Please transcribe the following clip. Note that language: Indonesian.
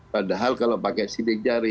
padahal kalau pakai sidik jari